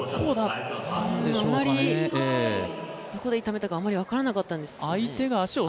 どこで痛めたかあまり分からなかったですね。